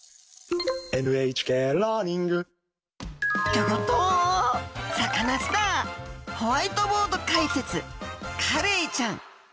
「ギョギョッとサカナ★スター」ホワイトボード解説！